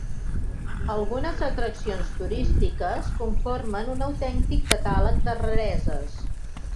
Algunes atraccions turístiques conformen un autèntic catàleg de rareses.